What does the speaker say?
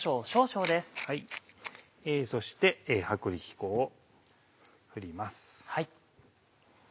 そして薄力粉を振ります。